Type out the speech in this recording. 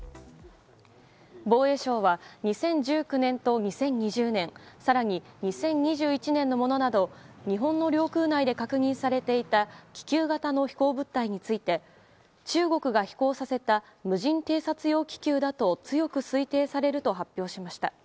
防衛省は、２０１９年と２０２０年更に２０２１年のものなど日本の領空内で確認されていた気球型の飛行物体について中国が飛行させた無人偵察用気球だと強く推定されると発表しました。